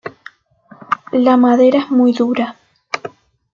La madera es muy dura.